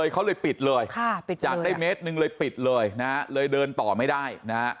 เขาเลยปิดเลยจากได้เมตรหนึ่งเลยปิดเลยนะฮะเลยเดินต่อไม่ได้นะฮะ